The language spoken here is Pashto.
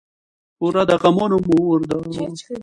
پور د غمونو مور ده.